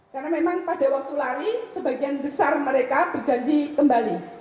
karena memang pada waktu lari sebagian besar mereka berjanji kembali